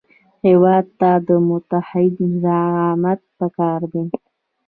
هېواد ته متعهد زعامت پکار دی